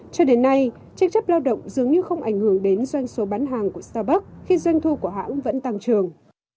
cho đến nay tranh chấp lao động dường như không ảnh hưởng đến doanh số bán hàng của startbock khi doanh thu của hãng vẫn tăng trường